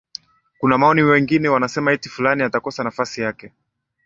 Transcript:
kuna maoni wengine wanasema eti fulani atakosa nafasi yake ya